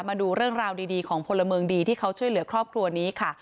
มาดูเรื่องราวดีของพลเมืองดีที่เขาช่วยเหลือครอบครัวนี้ค่ะ